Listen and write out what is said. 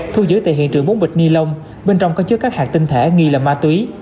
thu giữ tại hiện trường bốn bịch ni lông bên trong có chứa các hạt tinh thể nghi là ma túy